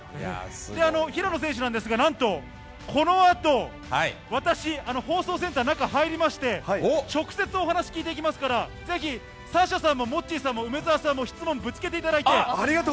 平野選手なんですが、なんとこのあと、私、放送センター中、入りまして、直接お話聞いていきますから、ぜひサッシャさんもモッチーさんも梅澤さんも質問ぶつけていただいて。